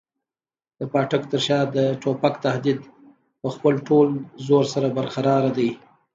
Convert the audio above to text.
د پاټک تر شا د توپک تهدید په خپل ټول زور سره برقراره دی.